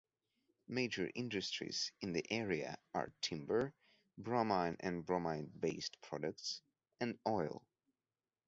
Major industries in the area are timber, bromine and bromine-based products, and oil.